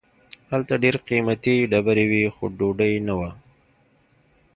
هلته ډیر قیمتي ډبرې وې خو ډوډۍ نه وه.